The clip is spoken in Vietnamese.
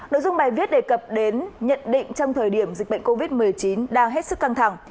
nội dung bài viết đề cập đến nhận định trong thời điểm dịch bệnh covid một mươi chín đang hết sức căng thẳng